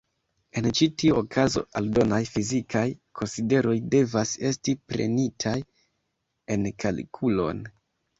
En ĉi tiu okazo aldonaj fizikaj konsideroj devas esti prenitaj en kalkulon.